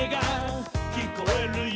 「きこえるよ」